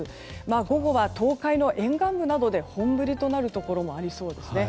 午後は東海の沿岸部などで本降りとなるところもありそうです。